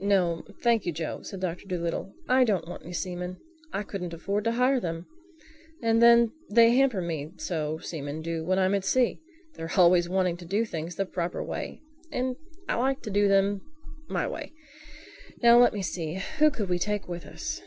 "No, thank you, Joe," said Doctor Dolittle. "I don't want any seamen. I couldn't afford to hire them. And then they hamper me so, seamen do, when I'm at sea. They're always wanting to do things the proper way; and I like to do them my way—Now let me see: who could we take with us?"